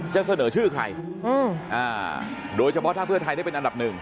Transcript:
จะเสนอชื่อใครโดยเฉพาะถ้าเพื่อไทยได้เป็นอันดับหนึ่ง